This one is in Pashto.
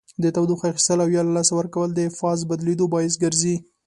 د تودوخې اخیستل او یا له لاسه ورکول د فاز بدلیدو باعث ګرځي.